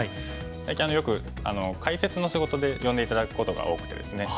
最近よく解説の仕事で呼んで頂くことが多くてですね。